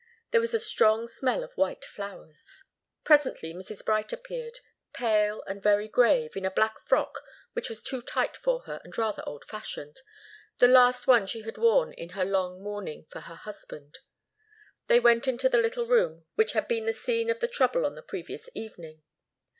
There was a strong smell of white flowers. Presently Mrs. Bright appeared, pale and very grave, in a black frock which was too tight for her and rather old fashioned the last one she had worn in her long mourning for her husband. They went into the little room which had been the scene of the trouble on the previous evening.